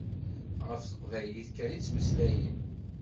Ɣef teqbaylit kan i ttmeslayen.